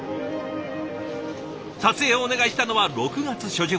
撮影をお願いしたのは６月初旬。